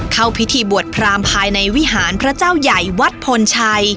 เข้าพิธีบวชพรามภายในวิหารพระเจ้าใหญ่วัดพลชัย